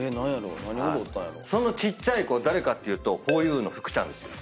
そのちっちゃい子誰かっていうとふぉゆの福ちゃんですよ。